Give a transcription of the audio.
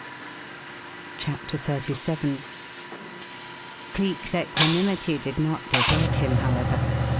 CHAPTER XXXVII Cleek's equanimity did not desert him, however.